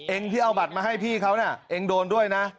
ที่เอาบัตรมาให้พี่เขาน่ะเองโดนด้วยนะ